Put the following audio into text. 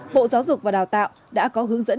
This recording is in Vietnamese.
bộ giáo dục và đào tạo đã có hướng dẫn